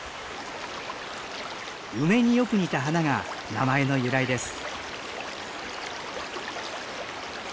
梅によく似た花が名前の由来です。